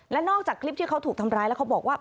และนอกจากคลิปที่เขาถูกทำร้ายแล้วเขาบอกว่า